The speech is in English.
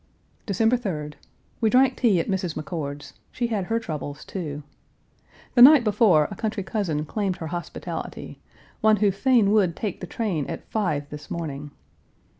December 3d. We drank tea at Mrs. McCord's; she had her troubles, too. The night before a country cousin claimed her hospitality, one who fain would take the train at five this morning.